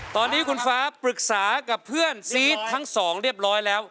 ตอนนี้คุณฟ้าปรึกษากับเพื่อนซีสทั้งสองเรียบร้อยแล้ว